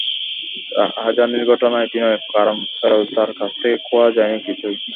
রাহাজানির ঘটনা এটি নয়, কারণ পেরালতার কাছ থেকে খোয়া যায়নি কিছুই।